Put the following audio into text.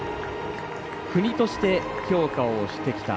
国として、強化をしてきた。